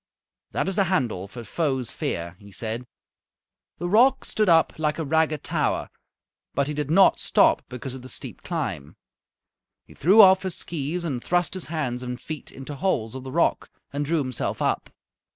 "That is the handle for 'Foes' fear,'" he said. The rock stood up like a ragged tower, but he did not stop because of the steep climb. He threw off his skees and thrust his hands and feet into holes of the rock and drew himself up.